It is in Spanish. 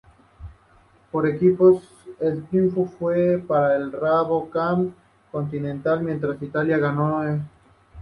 Por equipos, el triunfo fue para el Rabobank Continental, mientras Italia ganó por países.